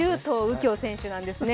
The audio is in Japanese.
京選手なんですね。